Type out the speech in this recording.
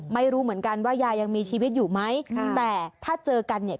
ไม่รู้เหมือนกันว่ายายยังมีชีวิตอยู่ไหมแต่ถ้าเจอกันเนี่ย